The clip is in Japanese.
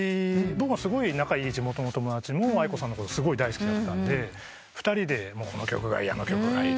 僕がすごい仲いい地元の友達もａｉｋｏさんのことすごい大好きだったんで２人で「この曲がいい」